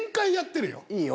いいよ。